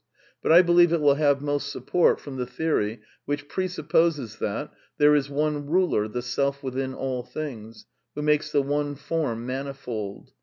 But I believe it will have most support from the theory which presupposes that '^ There is one ruler, the Self within all things, who makes the one form manifold